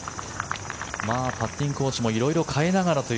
パッティングコーチも色々変えながらという